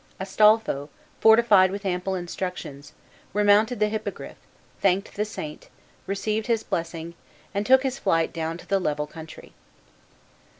Astolpho, fortified with ample instructions, remounted the Hippogriff, thanked the saint, received his blessing, and took his flight down to the level country.